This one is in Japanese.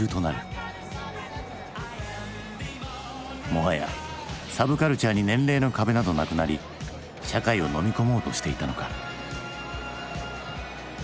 もはやサブカルチャーに年齢の壁などなくなり社会をのみ込もうとしていたのか。